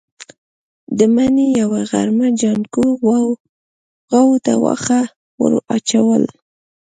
د مني يوه غرمه جانکو غواوو ته واښه ور اچول.